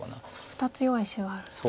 ２つ弱い石があるんですね。